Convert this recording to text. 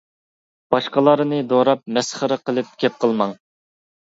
باشقىلارنى دوراپ مەسخىرە قىلىپ گەپ قىلماڭ.